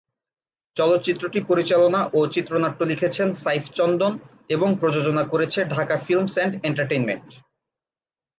চলচ্চিত্রটি পরিচালনা ও চিত্রনাট্য লিখেছেন সাইফ চন্দন এবং প্রযোজনা করেছে ঢাকা ফিল্মস অ্যান্ড এন্টারটেইনমেন্ট।